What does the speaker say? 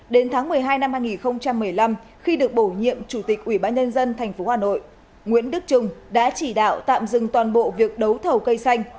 đến tháng một mươi hai năm hai nghìn một mươi năm khi được bổ nhiệm chủ tịch ubnd tp hà nội nguyễn đức trung đã chỉ đạo tạm dừng toàn bộ việc đấu thầu cây xanh